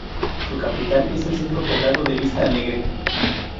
Su capital es el centro poblado de Vista Alegre.